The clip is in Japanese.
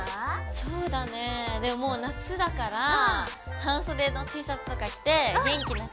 そうだねもう夏だから半袖のＴシャツとか着て元気な感じでつけたいよね。